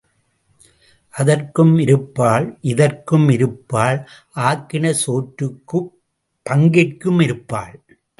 அதற்கும் இருப்பாள், இதற்கும் இருப்பாள், ஆக்கின சோற்றுக்குப் பங்கிற்கும் இருப்பாள்.